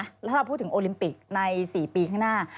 แล้วเราพูดถึงโอลิมปิกใน๔ปีข้างหน้า